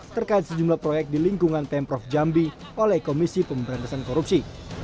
terkait sejumlah proyek di lingkungan pemprov jambi oleh komisi pemberantasan korupsi